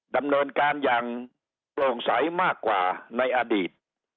ดำเนินการอย่างโปร่งใสมากกว่าในอดีต